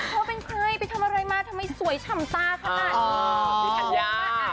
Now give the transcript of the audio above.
เธอเป็นใครไปทำอะไรมาทำไมสวยฉ่ำตาขนาดนี้